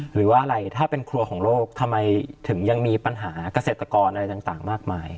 หรือว่าอะไรถ้าเป็นครัวของโลกทำไมถึงยังมีปัญหาเกษตรกรอะไรต่างมากมาย